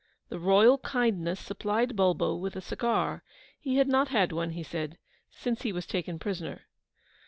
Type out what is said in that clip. The ROYAL KINDNESS supplied Bulbo with a cigar; he had not had one, he said, since he was taken prisoner.